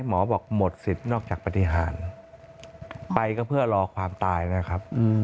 หมอบอกหมดสิทธิ์นอกจากปฏิหารไปก็เพื่อรอความตายนะครับ